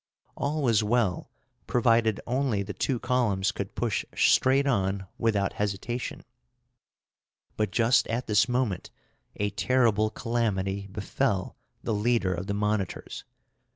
All was well, provided only the two columns could push straight on without hesitation; but just at this moment a terrible calamity befell the leader of the monitors.